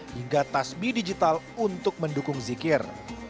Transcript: hingga tasbi digital untuk mendukung zikir